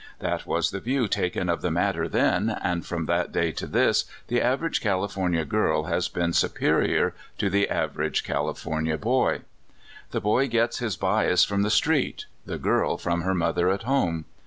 That was the view taken of the matter then, and from that day to this the average California girl has been superior to the average California boy. The boy gets his bias from the street; the girl, from her mother at home.